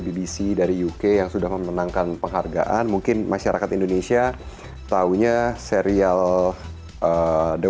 bbc dari uk yang sudah memenangkan penghargaan mungkin masyarakat indonesia tahunya serial the